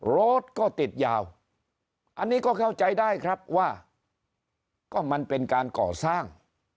รถก็ติดยาวอันนี้ก็เข้าใจได้ครับว่าก็มันเป็นการก่อสร้าง